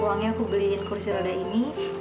uangnya aku beliin kursi roda ini